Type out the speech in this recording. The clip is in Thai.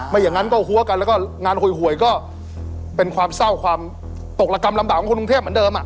อย่างนั้นก็หัวกันแล้วก็งานหวยก็เป็นความเศร้าความตกระกรรมลำบากของคนกรุงเทพเหมือนเดิม